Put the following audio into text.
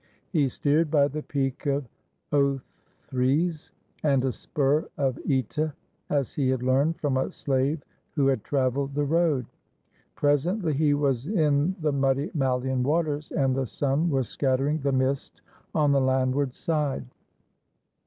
He steered by the peak of Othrys and a spur of (Eta, as he had learned from a slave who had traveled the road. Presently he was in the muddy MaUan waters and the sun was scattering the mist on the landward side.